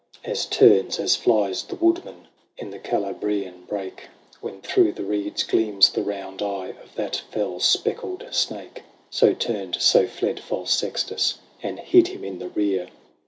As turns, as flies, the woodman In the Calabrian brake. When through the reeds gleams the round eye Of that fell speckled snake ; So turned, so fled, false Sextus, And hid him in the rear.